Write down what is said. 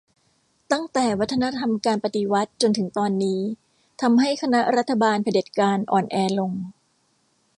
ตั้งแต่วัฒนธรรมการปฎิวัติจนถึงตอนนี้ทำให้คณะรัฐบาลเผด็จการอ่อนแอลง